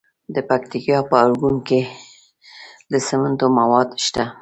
د پکتیکا په ارګون کې د سمنټو مواد شته.